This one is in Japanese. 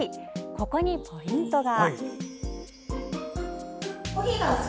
ここにポイントが。